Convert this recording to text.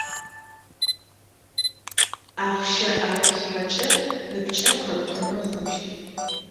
Ахъщэ ӏэрылъхьэкӏэ ыпкӏэ къэптымэ хъущт.